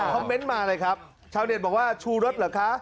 เมนต์มาเลยครับชาวเน็ตบอกว่าชูรถเหรอคะ